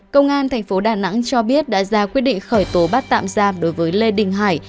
công an thành phố đà nẵng cho biết đã ra quyết định khởi tố bắt tạm giam đối với lê đình hải